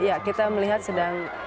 ya kita melihat sedang